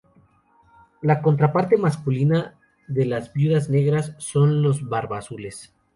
La contraparte masculina de las viudas negras son los ""barba azules"".